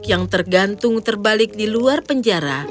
yang tergantung terbalik di luar penjara